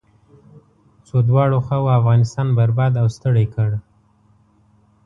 څو دواړو خواوو افغانستان برباد او ستړی کړ.